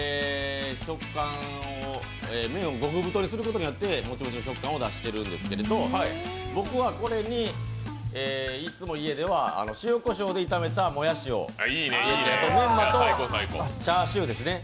麺を極太にすることによってモチモチの食感を出してるんですけど、僕はこれに、いつも家では塩こしょうで炒めたもやしを入れてメンマとチャーシューですね。